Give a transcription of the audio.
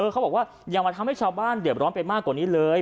เขาบอกว่าอย่ามาทำให้ชาวบ้านเดือดร้อนไปมากกว่านี้เลย